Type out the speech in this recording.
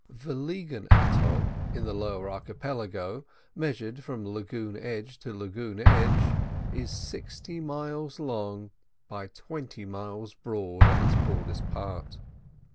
Vliegen atoll in the Low Archipelago, measured from lagoon edge to lagoon edge, is sixty miles long by twenty miles broad, at its broadest part.